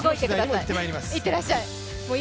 いってらっしゃい。